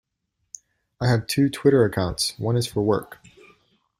I have two Twitter accounts, one is for work.